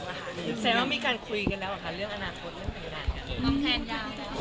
คุณแสนว่ามีการคุยกันแล้วอ่ะค่ะเรื่องอนาคตเรื่องไหนอ่ะ